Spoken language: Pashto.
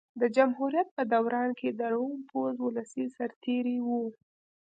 د جمهوریت په دوران کې د روم پوځ ولسي سرتېري وو